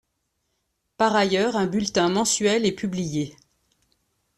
Par ailleurs un bulletin mensuel est publié.